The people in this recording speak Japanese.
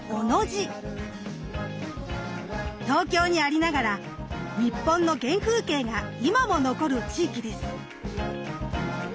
東京にありながら日本の原風景が今も残る地域です。